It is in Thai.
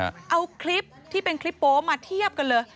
เอาคลิปที่เป็นคลิปโป๊มาเทียบกันเลย